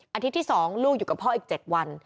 อาทิตย์ที่๒ลูกอยู่กับพ่ออีก๗วัน